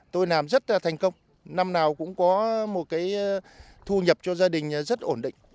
tôi làm rất là thành công năm nào cũng có một cái thu nhập cho gia đình rất ổn định